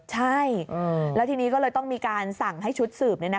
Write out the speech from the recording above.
ใช่แล้วทีนี้ก็เลยต้องมีการสั่งให้ชุดสืบ